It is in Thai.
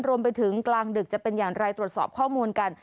รวมไปถึงกลางดึกจะเป็นอย่างไรตรวจสอบข้อมูลกัน